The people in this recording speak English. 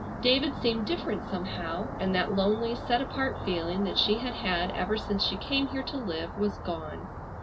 David seemed different somehow, and that lonely, set apart feeling that she had had ever since she came here to live was gone.